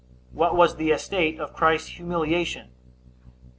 What was the estate of Christ's humiliation?